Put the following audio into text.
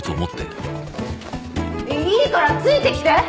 いいからついてきて！